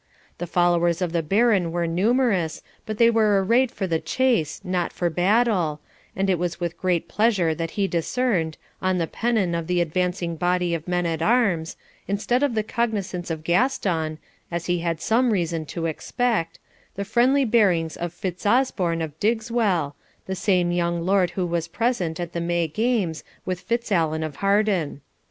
The followers of the Baron were numerous, but they were arrayed for the chase, not for battle, and it was with great pleasure that he discerned, on the pennon of the advancing body of men at arms, instead of the cognisance of Gaston, as he had some reason to expect, the friendly bearings of Fitzosborne of Diggswell, the same young lord who was present at the May games with Fitzallen of Harden.